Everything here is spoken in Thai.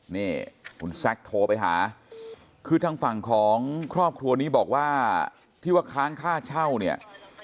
นี่คุณแซคโทรไปหาคือทางฝั่งของครอบครัวนี้บอกว่าที่ว่าค้างค่าเช่าเนี่ย